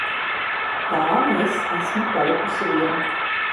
Tā nu es esmu palikusi viena.